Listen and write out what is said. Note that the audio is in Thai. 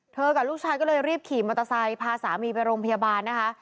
กับลูกชายก็เลยรีบขี่มอเตอร์ไซค์พาสามีไปโรงพยาบาลนะคะ